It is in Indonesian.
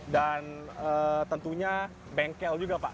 dan tentunya bengkel juga pak